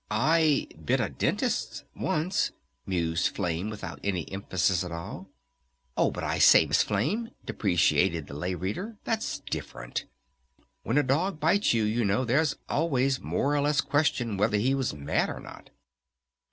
"I bit a dentist once," mused Flame without any emphasis at all. "Oh, but I say, Miss Flame," deprecated the Lay Reader. "That's different! When a dog bites you, you know, there's always more or less question whether he was mad or not."